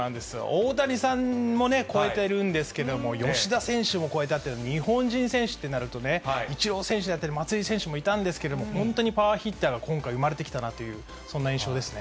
大谷さんも越えてるですけども、吉田選手も越えたっていうの、日本人選手ってなるとね、イチロー選手だったり、松井選手もいたんですけども、本当にパワーヒッターが今回、生まれてきたなっていう、そんな印象ですね。